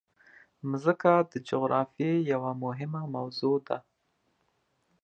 مځکه د جغرافیې یوه مهمه موضوع ده.